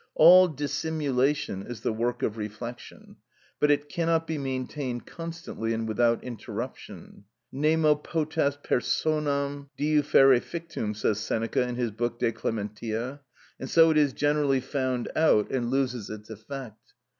All dissimulation is the work of reflection; but it cannot be maintained constantly and without interruption: "_nemo __ potest personam diu ferre fictum_," says Seneca in his book de clementia; and so it is generally found out and loses its effect.